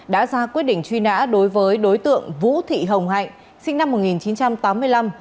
đã ra quyết định truy nã đối với đối tượng vũ thị hồng hạnh sinh năm một nghìn chín trăm tám mươi năm